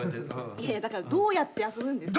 いやいやだからどうやって遊ぶんですか？